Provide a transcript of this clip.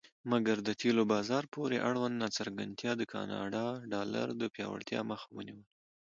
مګر د تیلو بازار پورې اړوند ناڅرګندتیا د کاناډا ډالر د پیاوړتیا مخه ونیوله.